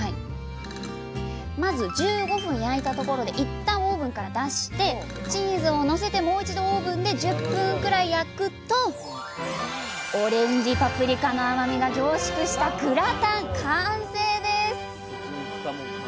まず１５分焼いたところでいったんオーブンから出してチーズをのせてもう一度オーブンで１０分くらい焼くとオレンジパプリカの甘みが凝縮したグラタン完成です！